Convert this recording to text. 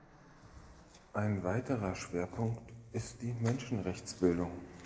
Ein weiterer Schwerpunkt ist die Menschenrechtsbildung.